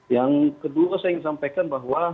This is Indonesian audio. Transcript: yang kedua saya ingin sampaikan bahwa